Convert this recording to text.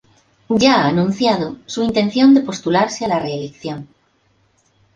Ya ha anunciado su intención de postularse a la reelección.